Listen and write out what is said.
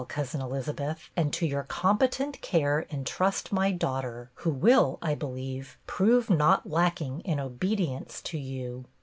Cousin Elizabeth, and to your competent care intrust my daughter, who will, I believe, prove not lacking in obedience to you."